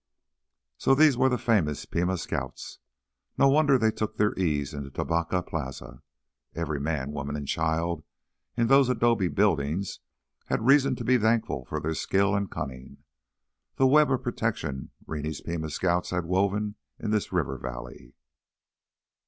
So these were the famous Pima Scouts! No wonder they took their ease in the Tubacca plaza. Every man, woman, and child in those adobe buildings had reason to be thankful for their skill and cunning—the web of protection Rennie's Pima Scouts had woven in this river valley.